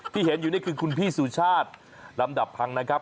ที่เห็นอยู่นี่คือคุณพี่สุชาติลำดับพังนะครับ